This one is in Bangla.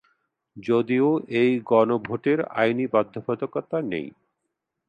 যদিও এই গণভোটের আইনি বাধ্যবাধকতা নেই।